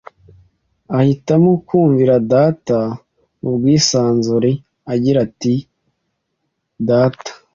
ahitamo kumvira Data mu bwisanzure agira ati Data